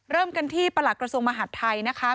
เริ่มกันที่ประหลักกระทรวงมหาดไทยนะคะ